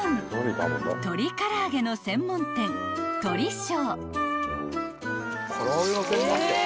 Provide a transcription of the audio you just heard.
鶏唐揚げの専門店鶏聖］